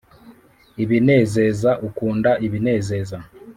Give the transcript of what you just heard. Ibinezeza ukunda ibinezeza